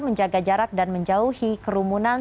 menjaga jarak dan menjauhi kerumunan